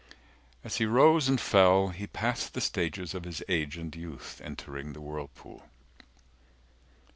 As he rose and fell He passed the stages of his age and youth Entering the whirlpool.